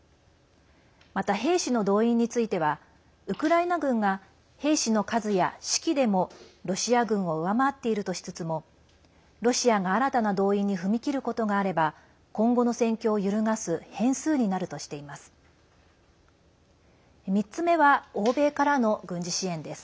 また、兵士の動員についてはウクライナ軍が兵士の数や士気でもロシア軍を上回っているとしつつもロシアが、新たな動員に踏み切ることがあれば今後の戦況を揺るがす変数になるとしています。